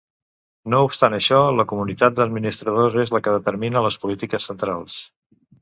No obstant això, la comunitat d'administradors és la que determina les polítiques centrals.